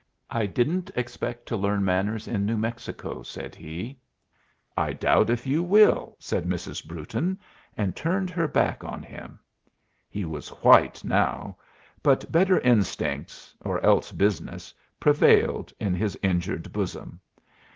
"I didn't expect to learn manners in New Mexico," said he. "I doubt if you will," said Mrs. Brewton, and turned her back on him. He was white now; but better instincts, or else business, prevailed in his injured bosom.